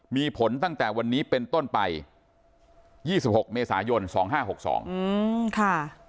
มีผลตั้งแต่วันนี้เป็นต้นไปยี่สิบหกเมษายนสองห้าหกสองอืมค่ะ